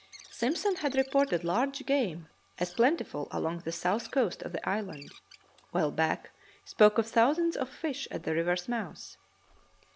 Simp son had reported large game as plentiful along the south coast of the island, while Back spoke of thousands of fish at the river's mouth.